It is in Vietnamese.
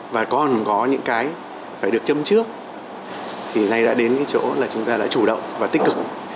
và còn có những cái phải được châm trước thì nay đã đến cái chỗ là chúng ta đã chủ động và tích cực